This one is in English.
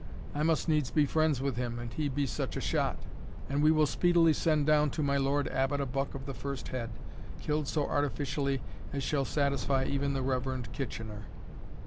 I must needs be friends with him, and he be such a shot: and we will speedily send down to my lord Abbot a buck of the first head, killed so artificially as shall satisfy even the reverend Kitchener."